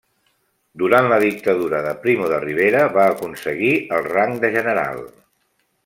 Durant la dictadura de Primo de Rivera va aconseguir el rang de general.